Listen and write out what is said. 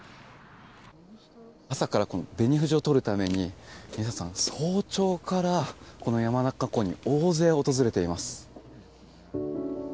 朝から紅富士を撮るために皆さん、早朝からこの山中湖に大勢訪れています。